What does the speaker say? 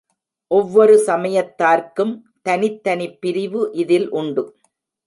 ஒவ்வொரு சமயத்தார்க்கும் தனித் தனிப் பிரிவு இதில் உண்டு.